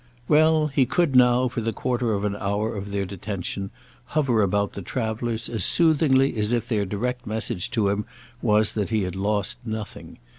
Well, he could now, for the quarter of an hour of their detention hover about the travellers as soothingly as if their direct message to him was that he had lost nothing.